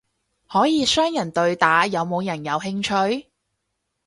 可以雙人對打，有冇人有興趣？